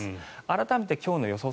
改めて今日の予想